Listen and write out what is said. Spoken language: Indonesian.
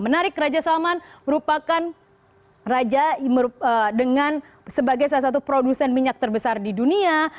menarik raja salman merupakan raja dengan sebagai salah satu produsen minyak terbesar di dunia